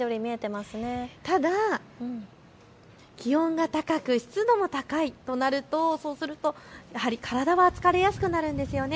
ただ気温が高く湿度も高いとなるとやはり体は疲れやすくなるんですよね。